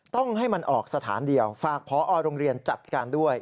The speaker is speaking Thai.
ต้องให้มันออกสถานเดียวฝากพอโรงเรียนจัดการด้วย